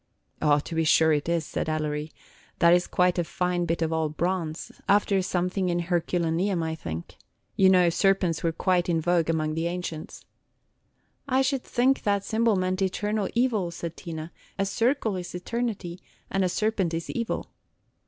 "O, to be sure it is," said Ellery; "that is quite a fine bit of old bronze, after something in Herculaneum, I think; you know serpents were quite in vogue among the ancients." "I should think that symbol meant eternal evil," said Tina, – "a circle is eternity, and a serpent is evil."